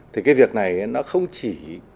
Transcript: thì cái việc này nó không chỉ